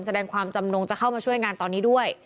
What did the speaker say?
แสดงความจำนงจะเข้ามาช่วยงานตอนนี้ด้วย